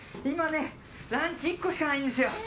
今ねランチ１個しかないんですよ。